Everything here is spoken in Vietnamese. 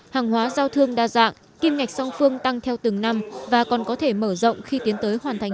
hàng hóa giao thương đa dạng kim ngạch song phương tăng theo từng năm và còn có thể mở rộng khi tiến tới hoàn thành